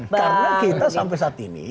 karena kita sampai saat ini